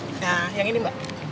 nah yang ini mbak